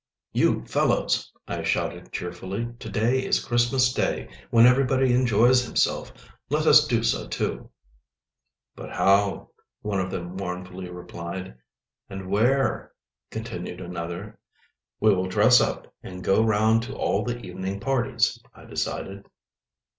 "You fellows!" I shouted cheerfully, "to day is Christmas Day, when everybody enjoys himself. Let us do so too." "But how?" one of them mournfully replied. "And where?" continued another. "We will dress up, and go round to all the evening parties," I decided.